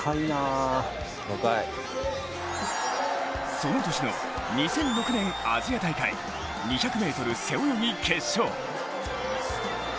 その年の２００６年アジア大会２００ｍ背泳ぎ決勝。